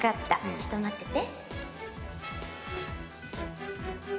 ちょっと待ってて。